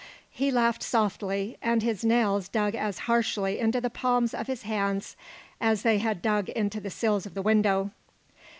He laughed softly, and his nails dug as harshly into the palms of his hands as they had dug into the sills of the window.